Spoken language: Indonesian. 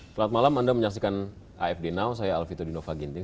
selamat malam anda menyaksikan afd now saya alvito dinova ginting